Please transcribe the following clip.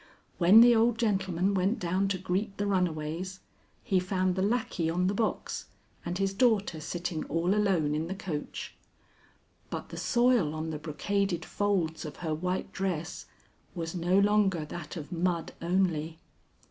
When the old gentleman went down to greet the runaways, he found the lackey on the box and his daughter sitting all alone in the coach. But the soil on the brocaded folds of her white dress was no longer that of mud only.